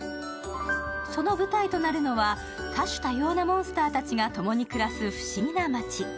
その舞台となるのは多種多様なモンスターたちがともに暮らす不思議な街。